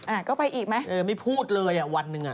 อ่าก็ไปอีกไหมเออไม่พูดเลยอ่ะวันหนึ่งอ่ะ